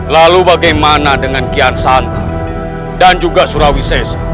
lalu bagaimana dengan kian santan dan juga surawi sese